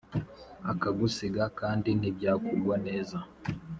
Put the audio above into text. akagusiga kandi ntibyakugwa neza.